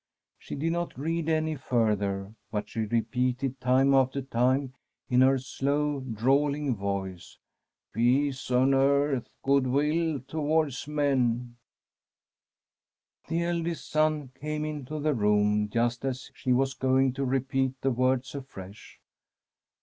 She did not read any further, but she repeated time after time in her slow, drawling voice, ' Peace on earth, good will towards men/ The eldest son came into the room just as she was going to repeat the words afresh.